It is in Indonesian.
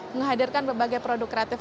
menghadirkan berbagai produk kreatif